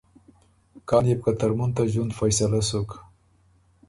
کان يې بو که ترماخ ته ݫوُند فیصلۀ سُک“